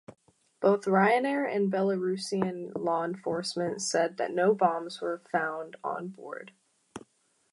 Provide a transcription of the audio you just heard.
Both Ryanair and Belarusian law enforcement said that no bombs were found on board.